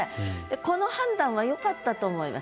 この判断は良かったと思います。